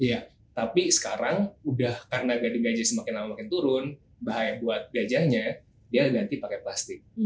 iya tapi sekarang udah karena gading gajah semakin lama makin turun bahaya buat gajahnya dia ganti pakai plastik